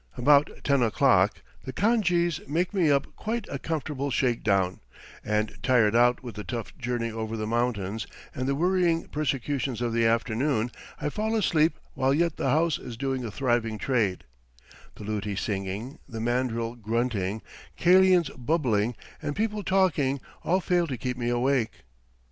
About ten o'clock the khan jees make me up quite a comfortable shake down, and tired out with the tough journey over the mountains and the worrying persecutions of the afternoon, I fall asleep while yet the house is doing a thriving trade; the luti singing, the mandril grunting, kalians bubbling, and people talking, all fail to keep me awake.